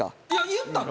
言ったの？